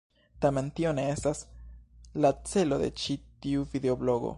Tamen, tio ne estas la celo de ĉi tiu videoblogo.